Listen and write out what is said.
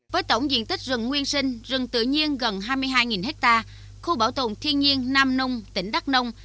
với tổng diện tích rừng nguyên sinh rừng tự nhiên gần hai mươi hai ha khu bảo tồn thiên nhiên nam nông tỉnh đắk nông